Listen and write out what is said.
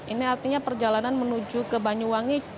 ini artinya perjalanan menuju ke banyuwangi